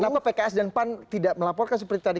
kenapa pks dan pan tidak melaporkan seperti tadi